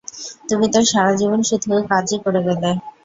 তুমি তো সারাজীবন শুধু কাজই করে গেলে।